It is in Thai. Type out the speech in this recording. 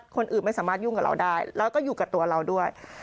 คนอื่นไม่สามารถยุ่งกับเราได้แล้วก็อยู่กับตัวเราด้วย